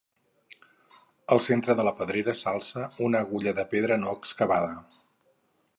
Al centre de la pedrera s'alça una agulla de pedra no excavada.